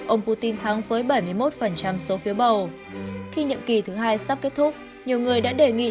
ông putin thắng với bảy mươi một số phiếu bầu khi nhiệm kỳ thứ hai sắp kết thúc nhiều người đã đề nghị